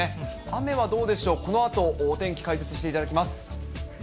雨はどうでしょう、このあとお天気解説していただきます。